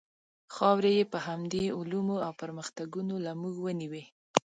خاورې یې په همدې علومو او پرمختګونو له موږ ونیوې.